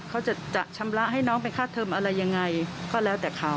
เขาจะชำระให้น้องเป็นค่าเทิมอะไรยังไงก็แล้วแต่เขา